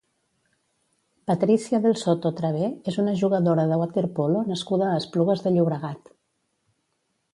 Patricia del Soto Traver és una jugadora de waterpolo nascuda a Esplugues de Llobregat.